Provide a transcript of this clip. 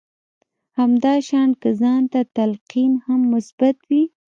همدا شان که ځان ته تلقين هم مثبت وي.